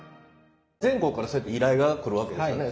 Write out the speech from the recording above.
全国からそうやって依頼が来るわけですよね。